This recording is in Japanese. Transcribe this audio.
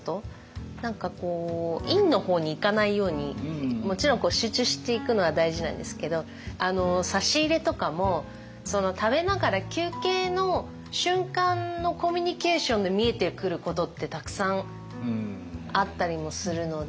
何かこう陰の方にいかないようにもちろん集中していくのは大事なんですけど差し入れとかも食べながら休憩の瞬間のコミュニケーションで見えてくることってたくさんあったりもするので。